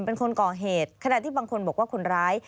เป็นคนก่อเหตุขณะที่บางคนบอกว่าคนร้าย